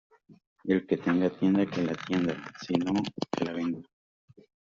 El que tenga tienda que la atienda, y si no que la venda.